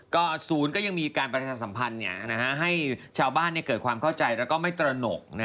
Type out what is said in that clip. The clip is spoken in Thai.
ก็ศูนย์ก็ยังมีการประชาสัมพันธ์ให้ชาวบ้านเกิดความเข้าใจแล้วก็ไม่ตระหนก